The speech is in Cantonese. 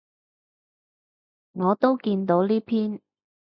我都見到呢篇